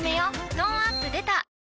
トーンアップ出た